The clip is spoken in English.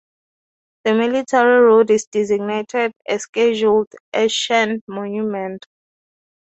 The military road is designated a Scheduled Ancient Monument.